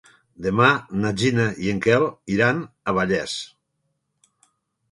Demà na Gina i en Quel iran a Vallés.